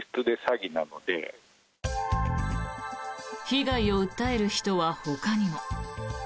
被害を訴える人はほかにも。